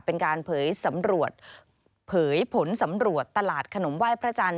เป็นการเผยสำรวจเผยผลสำรวจตลาดขนมไหว้พระจันท